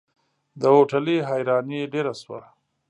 د هوټلي حيراني ډېره شوه.